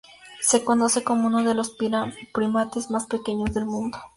Se conoce como uno de los primates más pequeños del mundo.